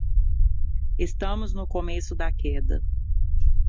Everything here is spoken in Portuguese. Estamos no começo da queda.